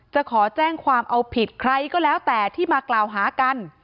จะขอแจ้งความเอาผิดใครก็แล้วแต่ที่มากล่าวหากัน